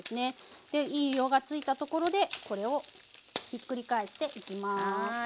いい色がついたところでこれをひっくり返していきます。